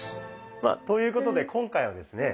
まあということで今回はですね